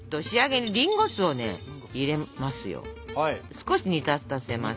少し煮立たせます。